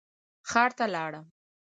ښار ته لاړم.